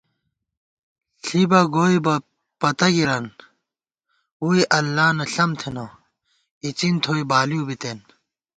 ݪِبہ گوئیبہ پتَہ گِرَن، ووئی اللہ نہ ݪم تھنہ، اِڅِن تھوئی بالِؤ بِتېن